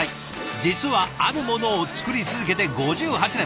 実はあるものを作り続けて５８年。